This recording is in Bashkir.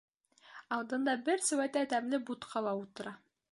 Алдында бер сеүәтә тәмле бутҡа ла ултыра.